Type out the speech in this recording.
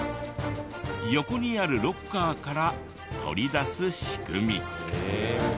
横にあるロッカーから取り出す仕組み。